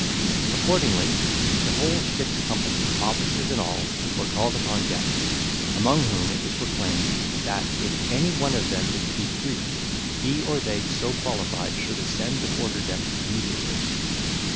Accordingly, the whole ship's company, officers and all, were called upon deck, among whom it was proclaimed that, if anyone of them could speak Greek, he or they so qualified should ascend the quarter deck immediately.